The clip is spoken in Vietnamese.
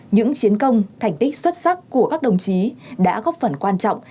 những chiến công thành tích xuất sắc của các đồng chí đã góp phần quan trọng